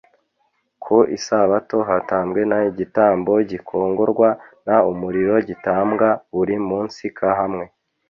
ku isabato hatambwe n igitambo gikongorwa n umuriro gitambwa buri munsi k hamwe